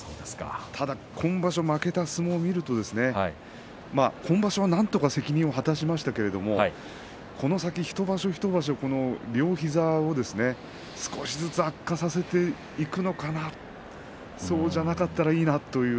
ただ今場所負けた相撲を見ると今場所はなんとか責任を果たしましたけれどもこの先、一場所一場所両膝を少しずつ悪化させていくのかなとそうじゃなかったらいいなと。